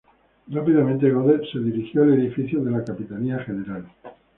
Rápidamente, Goded se dirigió al edificio de la Capitanía general.